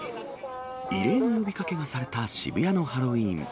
異例の呼びかけがされた渋谷のハロウィーン。